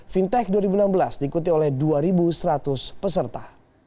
fintech dua ribu enam belas diikuti oleh dua seratus peserta